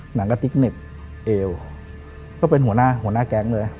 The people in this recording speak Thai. หนังก็ติ๊กเหน็บเอวก็เป็นหัวหน้าแก๊งเลย